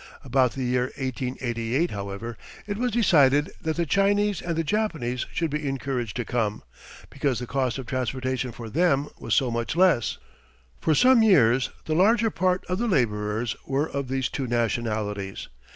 About the year 1888, however, it was decided that the Chinese and the Japanese should be encouraged to come, because the cost of transportation for them was so much less. For some years the larger part of the labourers were of these two nationalities.